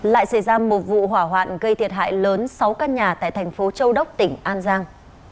lại xảy ra một vụ hỏa hoạn gây thiệt hại lớn sáu căn nhà tại thành phố châu đốc tỉnh an giang